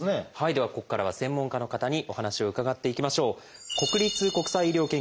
ではここからは専門家の方にお話を伺っていきましょう。